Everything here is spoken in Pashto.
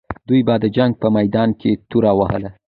دوی به د جنګ په میدان کې توره وهله.